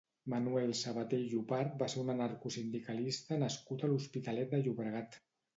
Manuel Sabaté i Llopart va ser un anarcosindicalista nascut a l'Hospitalet de Llobregat.